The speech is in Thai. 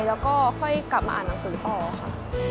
แล้วก็ค่อยกลับมาอ่านหนังสือต่อค่ะ